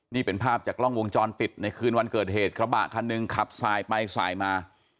นี่เป็นภาพจากกล้องวงจรปิดในคืนวันเกิดเหตุกระบะคันหนึ่งขับสายไปสายมา